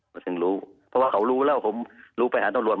ก็ถึงรู้เพราะว่าเขารู้แล้วผมรู้ไปหาตำรวจ